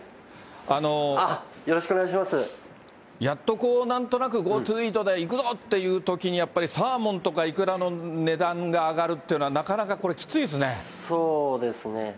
やっとなんとなくＧｏＴｏイートで行くぞ！ってときに、やっぱりサーモンとかイクラの値段が上がるっていうのは、これ、そうですね。